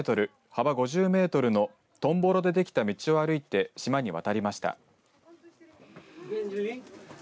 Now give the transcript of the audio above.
幅５０メートルのトンボロでできた道を歩いて島に渡りました。